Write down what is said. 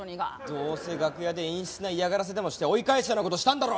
どうせ楽屋で陰湿な嫌がらせでもして追い返すような事したんだろ？